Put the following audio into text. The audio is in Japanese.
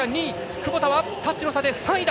窪田はタッチの差で３位だ！